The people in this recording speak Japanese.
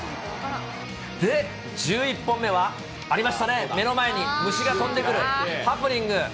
１１本目はありましたね、目の前に虫が飛んでくるハプニング。